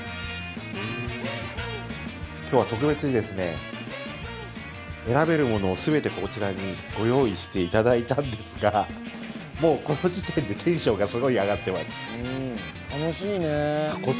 今日は特別にですね選べるものを全てこちらにご用意していただいたんですがもうこの時点でテンションがすごい上がってます。